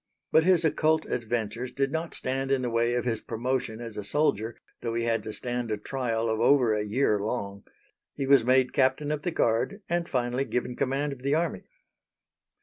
But his occult adventures did not stand in the way of his promotion as a soldier though he had to stand a trial of over a year long; he was made Captain of the Guard and finally given command of the Army.